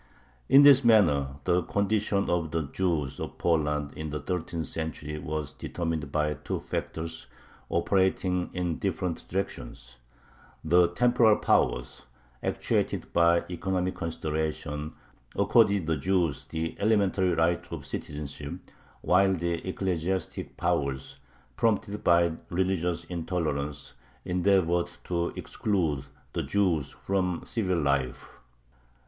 In this manner the condition of the Jews of Poland in the thirteenth century was determined by two factors operating in different directions: the temporal powers, actuated by economic considerations, accorded the Jews the elementary rights of citizenship, while the ecclesiastic powers, prompted by religious intolerance, endeavored to exclude the Jews from civil life.